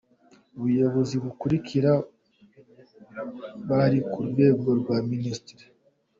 Abayobozi bakurikira bari ku rwego rwa Minisitiri :